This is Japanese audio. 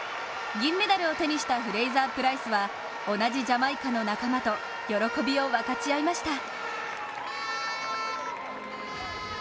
銀メダルを手にしたフレイザー・プライスは同じジャマイカの仲間と喜びを分かち合いました。